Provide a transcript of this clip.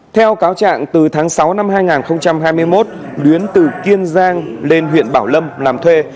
theo cáo trạng từ tháng sáu năm hai nghìn hai mươi một luyến từ kiên giang lên huyện bảo lâm làm thuê